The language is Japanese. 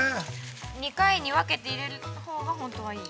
◆２回に分けて入れるほうが本当は、いい？